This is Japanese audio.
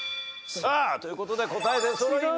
さあという事で答え出そろいました。